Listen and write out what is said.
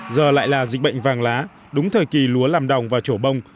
giờ lại là dịch bệnh vàng lá đúng thời kỳ lúa làm đồng và trổ bông